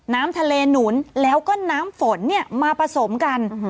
น้ำทะเลหนุนแล้วก็น้ำฝนเนี่ยมาผสมกัน